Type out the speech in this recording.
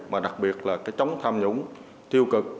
mà đặc biệt là chống tham nhũng tiêu cực